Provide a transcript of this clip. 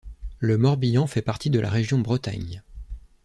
Le Morbihan fait partie de la région Bretagne.